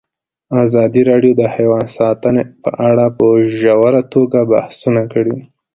ازادي راډیو د حیوان ساتنه په اړه په ژوره توګه بحثونه کړي.